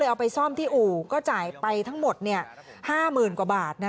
เอาไปซ่อมที่อู่ก็จ่ายไปทั้งหมด๕๐๐๐กว่าบาท